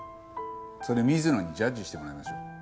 それ水野にジャッジしてもらいましょう。